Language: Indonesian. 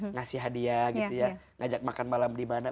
ngasih hadiah gitu ya